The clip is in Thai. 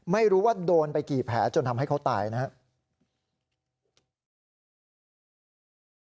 ไม่รู้ว่าโดนไปกี่แผลจนทำให้เขาตายนะครับ